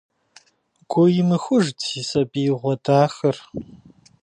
Гу имыхужт си сабиигъуэ дахэр!